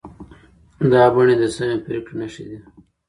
دا بڼې د سمې پرېکړې نښې دي.